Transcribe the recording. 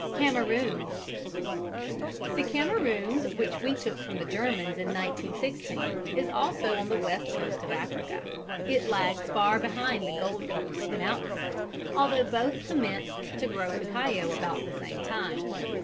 CAMEROONS. The Cameroons, which we took from the Germans in 1916, is also on the West Coast of Africa. It lags far behind the Gold Coast in output, although both commenced to grow cacao about the same time.